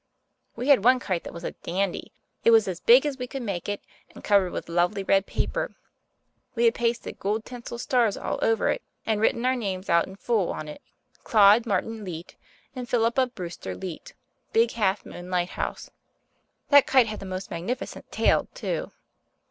We had one kite that was a dandy. It was as big as we could make it and covered with lovely red paper; we had pasted gold tinsel stars all over it and written our names out in full on it Claude Martin Leete and Philippa Brewster Leete, Big Half Moon Lighthouse. That kite had the most magnificent tail, too.